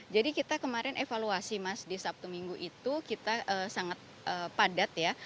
jadi kita kemarin evaluasi mas di sabtu minggu itu kita sangat padat ya